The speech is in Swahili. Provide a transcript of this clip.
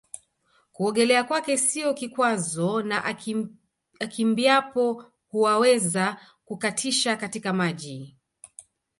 Kuogelea kwake sio kikwazo na akimbiaapo huaweza kukatisha katika maji